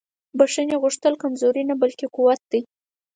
د بښنې غوښتل کمزوري نه بلکې قوت دی.